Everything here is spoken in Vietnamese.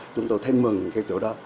chúng tôi thấy mừng về chỗ đó